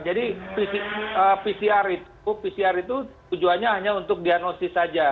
jadi pcr itu tujuannya hanya untuk diagnosis saja